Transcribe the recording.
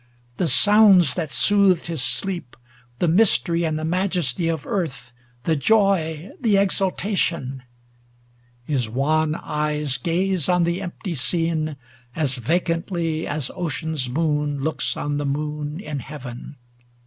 The sounds that soothed his sleep, The mystery and the majesty of Earth, The joy, the exultation ? His wan eyes 200 Gaze on the empty scene as vacantly As ocean's moon looks on the moon in heaven.